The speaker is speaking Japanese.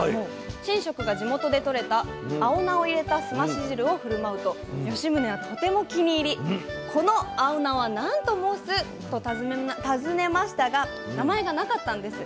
神職が地元で取れた青菜を入れたすまし汁を振る舞うと吉宗はとても気に入り「この青菜はなんと申す」と尋ねましたが名前がなかったんです。